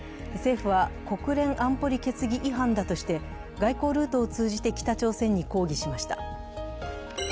政府は国連安保理決議違反だとして外交ルートを通じて北朝鮮に抗議しました。